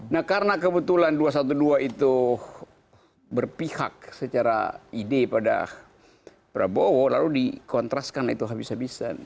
nah karena kebetulan dua ratus dua belas itu berpihak secara ide pada prabowo lalu dikontraskan itu habis habisan